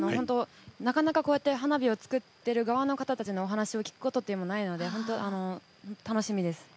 なかなか、こうやって花火を作ってる人のお話を聞くことってないので、楽しみです。